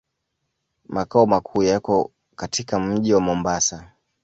Makao makuu yako katika mji wa Mombasa.